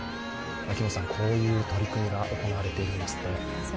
こういう取り組みが行われています。